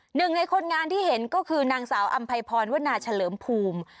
หนึ่งในคนงานที่เห็นก็คือนางสาวอำไพพรวนาเฉลิมภูมิ